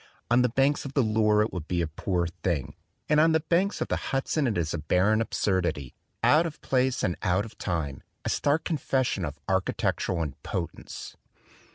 On the banks of the Loire it would be a poor thing; and on the banks of the Hudson it is a barren absurdity, out of place and out of time, a stark confession of architectural impotence.